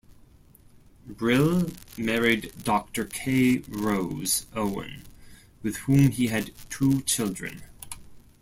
Brill married Doctor K. Rose Owen, with whom he had two children.